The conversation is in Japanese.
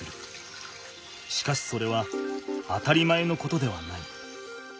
しかしそれは当たり前のことではない。